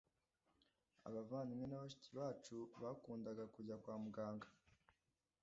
Abavandimwe na bashiki bacu bakundaga kujya kwa muganga